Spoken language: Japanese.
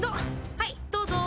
はいどうぞ！